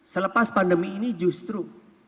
selepas pandemi ini justru